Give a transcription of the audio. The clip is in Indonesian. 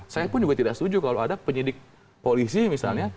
saya pun juga tidak setuju kalau ada penyidik polisi misalnya